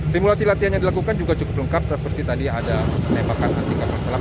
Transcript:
simulasi latihan yang dilakukan juga cukup lengkap seperti tadi ada penembakan anti kapal selam